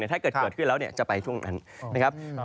ถ้าเกิดเกิดขึ้นแล้วจะไปช่วงนั้นนะครับ